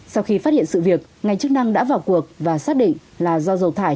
sau khi phát hiện sự việc ngành chức năng đã vào cuộc và xác định là do dầu thải